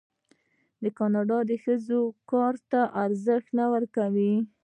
آیا کاناډا د ښځو کار ته ارزښت نه ورکوي؟